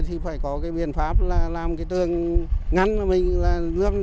thì phải có biện pháp làm tường ngăn